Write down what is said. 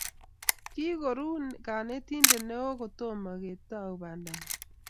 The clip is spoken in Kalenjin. Kikuro kanetindet neo kotomo ketou banda nyo